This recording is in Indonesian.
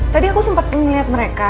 tadi aku sempat melihat mereka